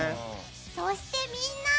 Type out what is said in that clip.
そしてみんな！